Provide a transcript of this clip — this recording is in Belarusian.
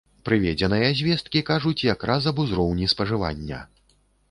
Прыведзеныя звесткі кажуць як раз аб узроўні спажывання.